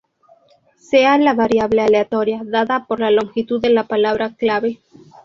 Sea la variable aleatoria dada por la longitud de la palabra clave.